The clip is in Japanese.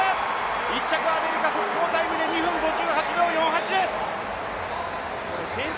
１着アメリカ速報タイムで２分５８秒４８です。